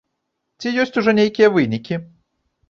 Ці ёсць ужо нейкія вынікі?